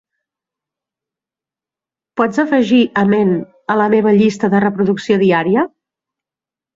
Pots afegir Amen a la meva llista de reproducció diària?